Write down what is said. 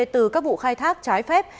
từ các vụ khai thác trái phép